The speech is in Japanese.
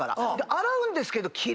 洗うんですけど。